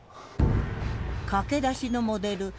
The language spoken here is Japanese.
駆け出しのモデル橋本